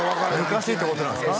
昔ってことなんですか？